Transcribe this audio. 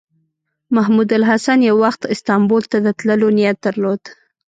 محمود الحسن یو وخت استانبول ته د تللو نیت درلود.